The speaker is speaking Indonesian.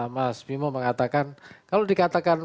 mas bimo mengatakan kalau dikatakan